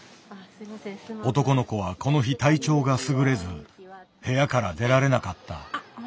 男の子はこの日体調がすぐれず部屋から出られなかった。